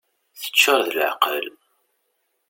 Teččur d leɛqel.